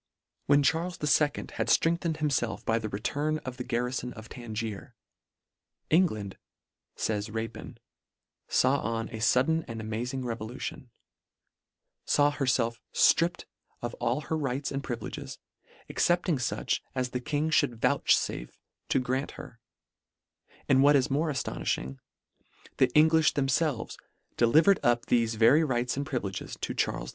When Charles II. had ftrengthened himfelf by the return of the garrifon of Tangier, " England (fays Rapin) faw on a fudden an amazing revolution ; faw herfelf stripped of all her rights and privi leges, excepting fuch as the King Ihould vouchfafe to grant her ; and what is more aftonifhing, the Engliih themfelves delivered up thefe very rights and privileges to Char les II.